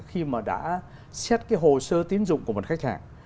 khi mà đã xét cái hồ sơ tiến dụng của một khách hàng